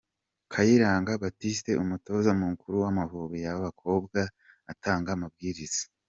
Kayiranga Baptiste umutoza mukuru w'Amavubi y'abakobwa atanga amabwiriza .